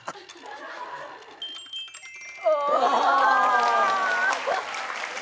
お。